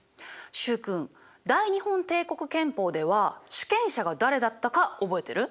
習君大日本帝国憲法では主権者が誰だったか覚えてる？